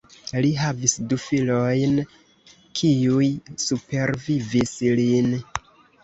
Li havis du filojn kiuj supervivis lin.